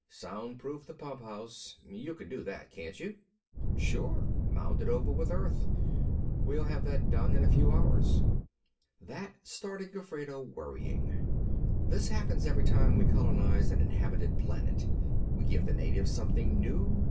"Soundproof the pump house. You can do that, can't you?" "Sure. Mound it over with earth. We'll have that done in a few hours." That started Gofredo worrying. "This happens every time we colonize an inhabited planet. We give the natives something new.